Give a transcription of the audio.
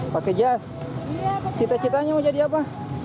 pakai jas cita citanya mau jadi apa